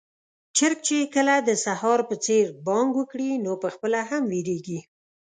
چرګ چې کله د سهار په څېر بانګ وکړي، نو پخپله هم وېريږي.